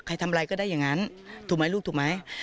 ทำอะไรก็ได้อย่างนั้นถูกไหมลูกถูกไหม